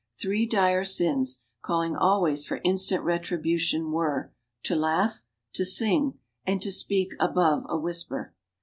Three dire sins, calling always for instant retribution, were: "To laugh, to sing, and to speak above a whis per."